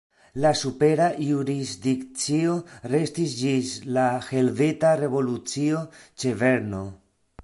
La supera jurisdikcio restis ĝis la Helveta Revolucio ĉe Berno.